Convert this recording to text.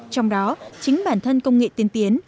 trong đó chính bản thân công nghệ tiên tiến